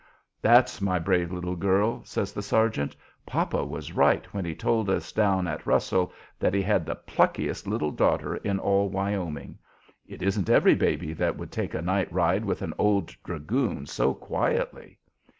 "That's my brave little girl!" says the sergeant. "Papa was right when he told us down at Russell that he had the pluckiest little daughter in all Wyoming. It isn't every baby that would take a night ride with an old dragoon so quietly."